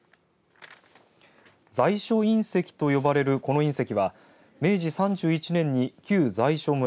在所隕石と呼ばれるこの隕石は明治３１年に旧在所村